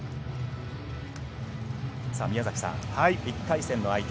宮崎さん、１回戦の相手